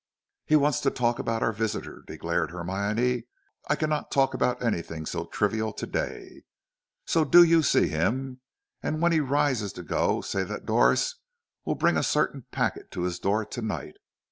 "He wants to talk about our visitor," declared Hermione. "I cannot talk about anything so trivial to day; so do you see him, and when he rises to go, say that Doris will bring a certain packet to his door to night.